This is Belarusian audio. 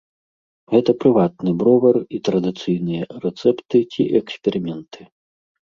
Гэта прыватны бровар і традыцыйныя рэцэпты ці эксперыменты.